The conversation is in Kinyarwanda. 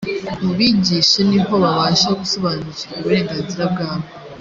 mubigishe nihobabasha gusobanukirwa uburenganzira bwabo.